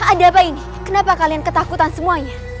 ada apa ini kenapa kalian ketakutan semuanya